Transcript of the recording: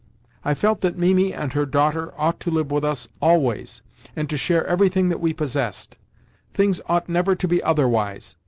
I felt that Mimi and her daughter ought to live with us always and to share everything that we possessed. Things ought never to be otherwise.